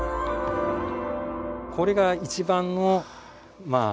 これが一番のまあ